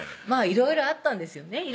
まぁいろいろあったんですよね